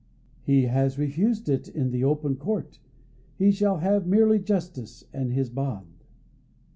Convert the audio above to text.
"He has refused it in the open court; he shall have merely justice and his bond."